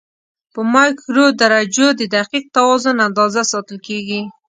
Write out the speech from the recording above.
په مایکرو درجو د دقیق توازن اندازه ساتل کېږي.